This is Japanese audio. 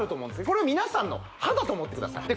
これを皆さんの歯だと思ってください